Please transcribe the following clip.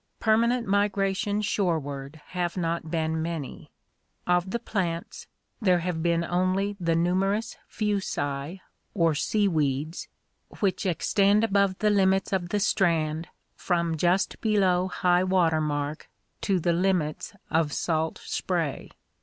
Permanent migrations shoreward have not been many. Of the plants, there have been only the numerous fuci or seaweeds which extend above the limits of the strand from just below high water mark to the limits of salt spray.